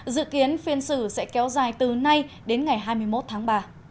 dự kiến phiên xử sẽ kéo dài từ nay đến ngày hai mươi một tháng ba